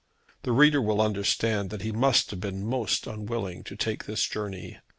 The reader will understand that he must have been most unwilling to take this journey.